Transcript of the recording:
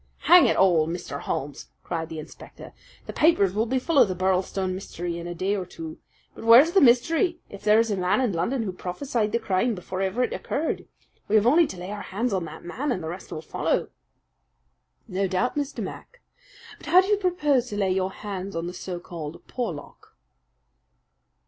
"Hang it all, Mr. Holmes!" cried the inspector. "The papers will be full of the Birlstone mystery in a day or two; but where's the mystery if there is a man in London who prophesied the crime before ever it occurred? We have only to lay our hands on that man, and the rest will follow." "No doubt, Mr. Mac. But how do you propose to lay your hands on the so called Porlock?"